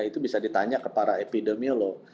itu bisa ditanya ke para epidemiolog